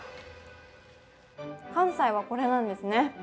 関西は、これなんですね。